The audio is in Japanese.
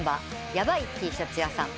ヤバイＴシャツ屋さん。